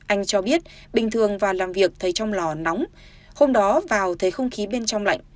anh cho biết bình thường vào làm việc thấy trong lò nóng hôm đó vào thấy không khí bên trong lạnh